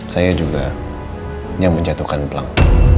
saya juga yang menjatuhkan pelang